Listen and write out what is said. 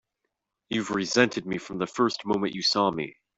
You've resented me from the first moment you saw me!